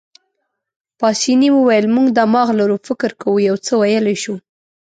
پاسیني وویل: موږ دماغ لرو، فکر کوو، یو څه ویلای شو.